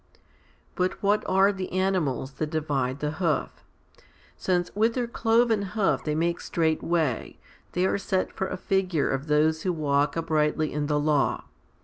4. But what are the animals that divide the hoof ? 2 Since with their cloven hoof they make straight way, they are set for a figure of those who walk uprightly in the law.